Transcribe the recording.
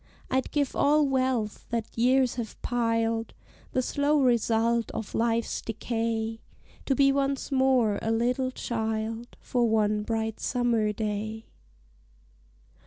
I'd give all wealth that years have piled, The slow result of Life's decay, To be once more a little child For one bright summer day.